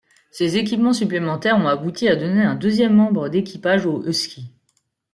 Ces équipements supplémentaires ont abouti a donner un deuxième membre d'équipage au Husky.